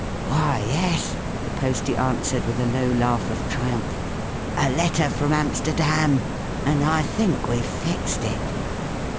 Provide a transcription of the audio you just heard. " Why, yes," the posty answered, with a low laugh of triumph. " A letter from Amsterdam ! And I think we've fixed it!